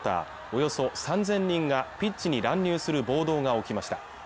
およそ３０００人がピッチに乱入する暴動が起きました